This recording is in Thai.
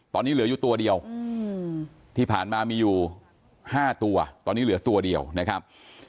ตอนนี้เหลืออยู่ตัวเดียวที่ผ่านมามีอยู่๕ตัวตอนนี้เหลือตัวเดียวนะครับ